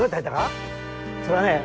それはね